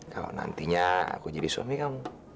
kalau nantinya aku jadi suami kamu